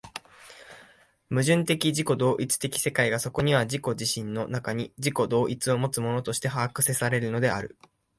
矛盾的自己同一的世界がそこには自己自身の中に自己同一をもつものとして把握せられるのである。